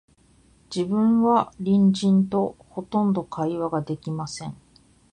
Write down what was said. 自分は隣人と、ほとんど会話が出来ません